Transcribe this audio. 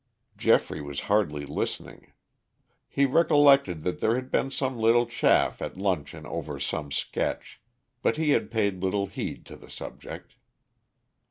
Geoffrey was hardly listening. He recollected that there had been some little chaff at luncheon over some sketch, but he had paid little heed to the subject.